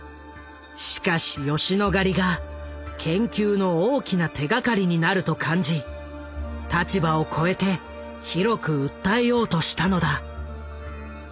しかし吉野ヶ里が研究の大きな手がかりになると感じ立場を超えて広く訴えようとしたのだ。